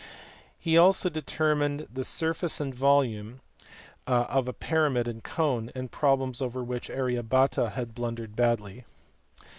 He also determined the sur face and volume of a pyramid and cone ; problems over which Arya Bhata had blundered badly.